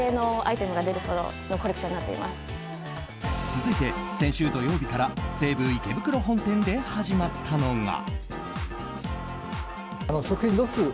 続いて、先週土曜日から西武池袋本店で始まったのが。